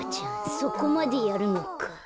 そこまでやるのか。